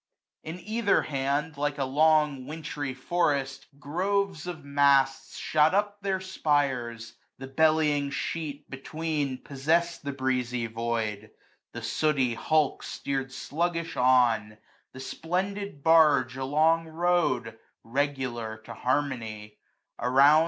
On either hand> Like a long wintry forest, groves of masts Shot up their spires ; the bellying sheet between i^^ Possessed the breezy void ; the sooty hulk Steer'd fluggilh on ; the splendid barge along ^ow'd, regular, to harmony ; around.